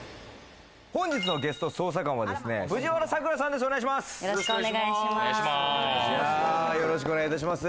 本日のゲスト捜査官はですね、藤原さくらさんです。